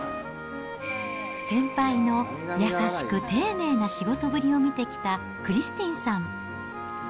先輩の優しく丁寧な仕事ぶりを見てきたクリスティンさん。